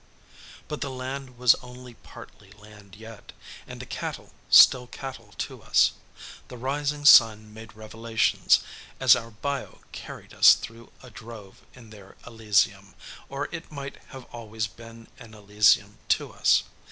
But the land was only partly land yet, and the cattle still cattle to us. The rising sun made revelations, as our bayou carried us through a drove in their Elysium, or it might have always been an Elysium to us.